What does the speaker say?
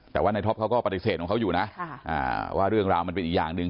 แต่ว่าในท็อปเขาก็ปฏิเสธของเขาอยู่นะว่าเรื่องราวมันเป็นอีกอย่างหนึ่ง